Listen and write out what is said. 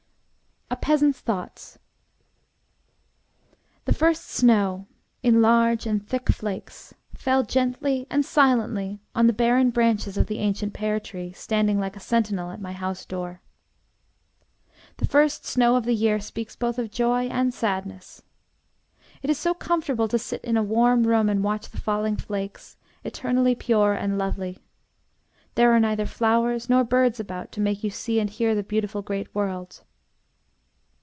A PEASANT'S THOUGHTS The first snow, in large and thick flakes, fell gently and silently on the barren branches of the ancient pear tree, standing like a sentinel at my house door. The first snow of the year speaks both of joy and sadness. It is so comfortable to sit in a warm room and watch the falling flakes, eternally pure and lovely. There are neither flowers nor birds about, to make you see and hear the beautiful great world.